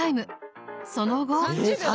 その後。